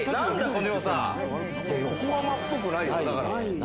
横浜っぽくないよね。